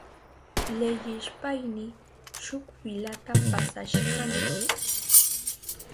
Leyishpayni shuk filata pasashkani.